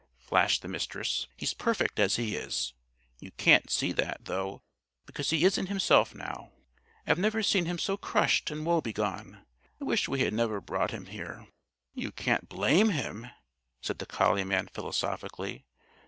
flashed the Mistress. "He's perfect as he is. You can't see that, though, because he isn't himself now. I've never seen him so crushed and woe begone. I wish we had never brought him here." "You can't blame him," said the collie man philosophically.